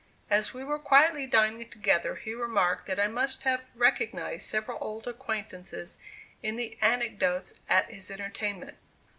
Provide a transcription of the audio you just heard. As we were quietly dining together, he remarked that I must have recognized several old acquaintances in the anecdotes at his entertainment.